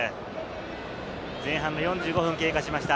前半の４５分を経過しました。